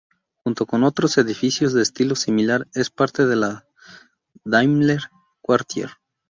Junto con otros edificios de estilo similar, es parte de la Daimler Quartier.